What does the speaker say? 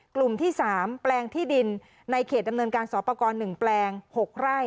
กลุ่มที่๓แปลงที่ดินในเขตดำเนินการสอบประกอบ๑แปลง๖ไร่